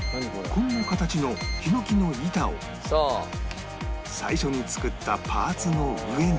こんな形のヒノキの板を最初に作ったパーツの上に